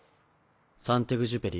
サン＝テグジュペリ？